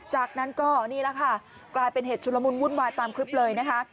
จากนั้นก็นี่แหละค่ะกลายเป็นเหตุชุลมุนวุ่นวายตามคลิปเลยนะคะ